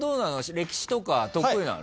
歴史とか得意なの？